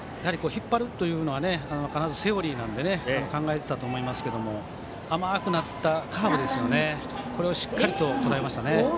引っ張るというのは必ずセオリーなので考えていたと思いますけど甘くなったカーブをしっかりととらえましたね。